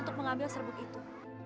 untuk mengambil serbuk itu